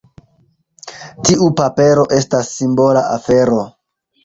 Tiu papero estas simbola afero.